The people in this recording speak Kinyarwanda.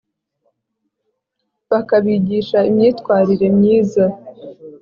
bakabigisha imyitwarire myiza